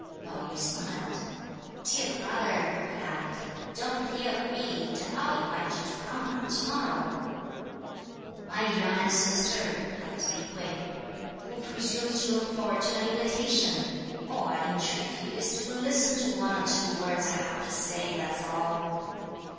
Pao yü smiled, "Dear Brother," he added, "don't feel aggrieved; I'll invite you to come round to morrow!" "My young ancestor," replied Li Kuei, "who presumes to look forward to an invitation? all I entreat you is to listen to one or two words I have to say, that's all."